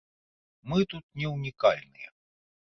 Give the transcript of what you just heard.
Мы тут не ўнікальныя.